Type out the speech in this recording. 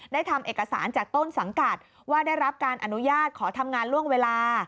ทำเอกสารจากต้นสังกัดว่าได้รับการอนุญาตขอทำงานล่วงเวลา